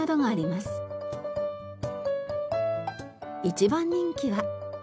一番人気は。